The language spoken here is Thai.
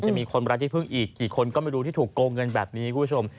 มีคนไร้ที่พึ่งอีกกี่คนก็ไม่รู้ที่ถูกโกงเงินแบบนี้คุณผู้ชม